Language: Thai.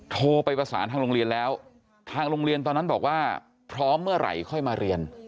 โทรไปประสานทางโรงเรียนแล้วทางโรงเรียนตอนนั้นบอกว่าพร้อมเมื่อไหร่ค่อยมาเรียน